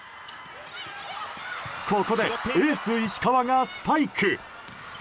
ここでエース石川がスパイク。